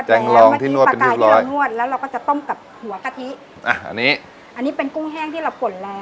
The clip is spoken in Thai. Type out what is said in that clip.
แจงรองที่นวดเป็นพริบร้อยแล้วเราก็จะต้มกับหัวกะทิอ่ะอันนี้อันนี้เป็นกุ้งแห้งที่เรากดแล้ว